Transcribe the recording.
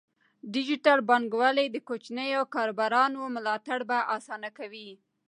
ډیجیټل بانکوالي د کوچنیو کاروبارونو ملاتړ په اسانۍ کوي.